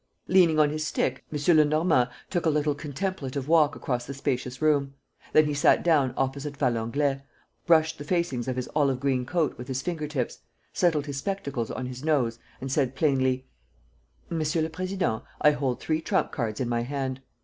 Leaning on his stick, M. Lenormand took a little contemplative walk across the spacious room. Then he sat down opposite Valenglay, brushed the facings of his olive green coat with his finger tips, settled his spectacles on his nose and said, plainly: "M. le Président, I hold three trump cards in my hand.